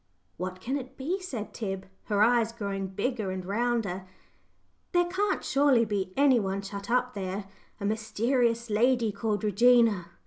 "What can it be?" said Tib, her eyes growing bigger and rounder. "There can't surely be any one shut up there a mysterious lady called 'Regina.'